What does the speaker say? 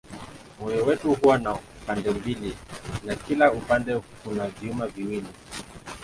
Moyo wetu huwa na pande mbili na kila upande kuna vyumba viwili.